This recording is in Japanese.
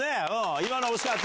今のは惜しかった。